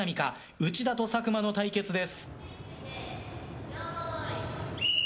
内田と佐久間の対決です。